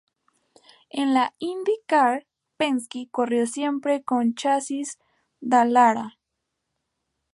En la IndyCar, Penske corrió siempre con chasis Dallara.